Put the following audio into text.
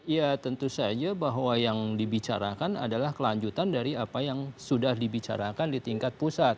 ya tentu saja bahwa yang dibicarakan adalah kelanjutan dari apa yang sudah dibicarakan di tingkat pusat